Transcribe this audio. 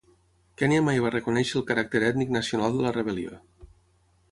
Kenya mai va reconèixer el caràcter ètnic nacional de la rebel·lió.